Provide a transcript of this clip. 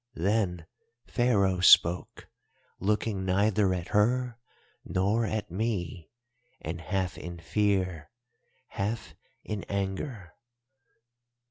Then Pharaoh spoke, looking neither at her nor at me, and half in fear, half in anger.